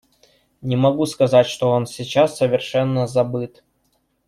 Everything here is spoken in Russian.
Не могу сказать, что он сейчас совершенно забыт.